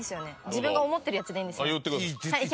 自分が思ってるやつでいいんですよね？